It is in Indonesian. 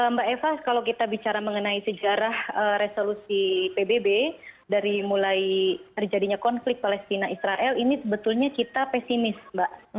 mbak eva kalau kita bicara mengenai sejarah resolusi pbb dari mulai terjadinya konflik palestina israel ini sebetulnya kita pesimis mbak